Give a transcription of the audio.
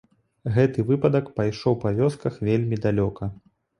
Гэты выпадак пайшоў па вёсках вельмі далёка.